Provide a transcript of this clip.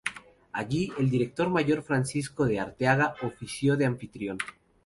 Allí, el Director Mayor Francisco de Arteaga ofició de anfitrión.